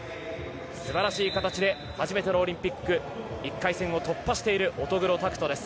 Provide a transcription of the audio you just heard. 素晴らしい形で初めてのオリンピック１回戦を突破している乙黒拓斗です。